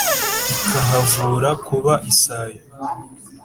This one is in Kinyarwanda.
Ikahavura kuba isayo